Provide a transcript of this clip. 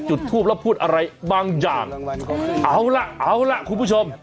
จุดทูปแล้วพูดอะไรบางอย่างเอาล่ะเอาล่ะคุณผู้ชม